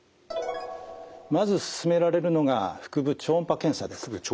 まずすすめられるのが腹部超音波検査です。